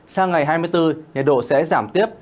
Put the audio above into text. sang ngày hai mươi bốn nhiệt độ sẽ giảm tiếp